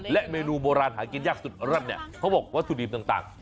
และเมนูประกิกยากสุดเล่านอะเขาบอกวัตถุดิบต่าง